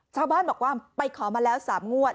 ชาวบ้านบอกว่าไปขอมาแล้ว๓งวด